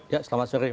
ya selamat sore